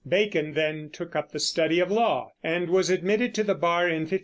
Bacon then took up the study of law, and was admitted to the bar in 1582.